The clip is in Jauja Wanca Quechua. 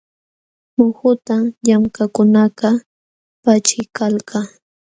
Muhutam llamkaqkunakaq paćhiykalka.